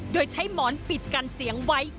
โดยใช้หมอนปิดกันเสียงไว้